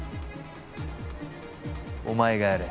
お前がやれ。